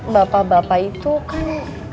bapak bapak itu kan